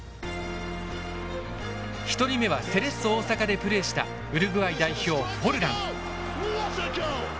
１人目はセレッソ大阪でプレーしたウルグアイ代表フォルラン。